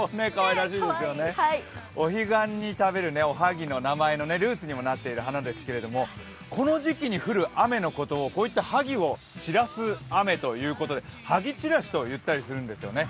お彼岸に食べるおはぎの名前のルーツになっている花ですがこの時期に降る雨のことを、こういったはぎを散らす雨ということではぎ散らしと言ったりするんですよね。